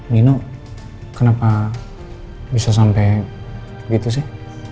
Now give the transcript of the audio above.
nino kenapa bisa sampai gitu sih